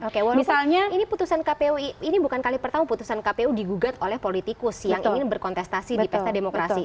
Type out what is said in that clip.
oke walaupun ini bukan kali pertama putusan kpu digugat oleh politikus yang ingin berkontestasi di pesta demokrasi